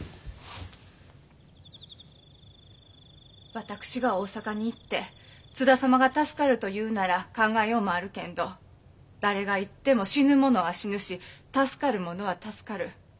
私が大坂に行って津田様が助かるというなら考えようもあるけんど誰が行っても死ぬ者は死ぬし助かる者は助かる。